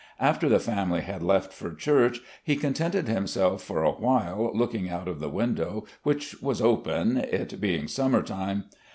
After the family had left for church he contented himself for awhile looking out of the window, which was open, it being summer time.